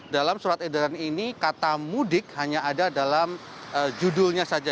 dalam surat edaran ini kata mudik hanya ada dalam judulnya saja